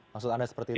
maksud anda seperti itu